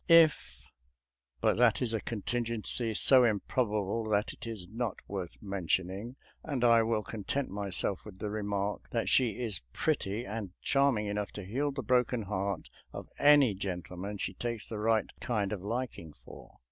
If — ^but that is a contingency so improbable that it is not worth mentioning, and I will content myself with the remark that she is pretty and charm ing enough to heal the broken heart of any gen tleman she takes the right kind of liking for.